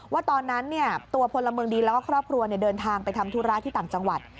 ว่าตอนนั้นตัวพลเมืองดีแล้วก็ครอบครัวเดินทางไปทำธุระที่ต่างจังหวัด